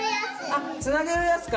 あつなげるやつか。